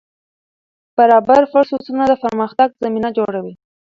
برابر فرصتونه د پرمختګ زمینه جوړوي.